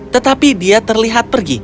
tetapi dia terlihat pergi